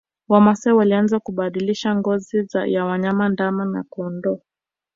Wamasai walianza kubadilisha ngozi ya wanyama ndama na kondoo